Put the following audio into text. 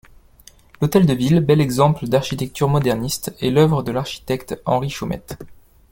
L'hôtel de ville, bel exemple d'architecture moderniste, est l'œuvre de l'architecte Henri Chomette.